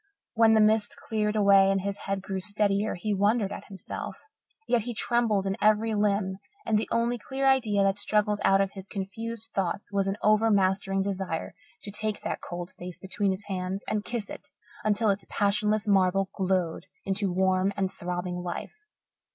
When the mist cleared away and his head grew steadier, he wondered at himself. Yet he trembled in every limb and the only clear idea that struggled out of his confused thoughts was an overmastering desire to take that cold face between his hands and kiss it until its passionless marble glowed into warm and throbbing life.